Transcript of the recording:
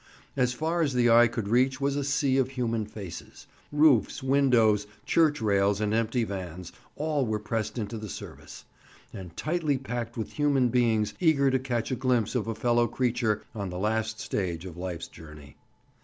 As far as the eye could reach was a sea of human faces. Roofs, windows, church rails, and empty vans—all were pressed into the service, and tightly packed with human beings eager to catch a glimpse of a fellow creature on the last stage of life's journey.